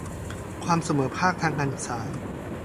สร้างความเสมอภาคทางการศึกษา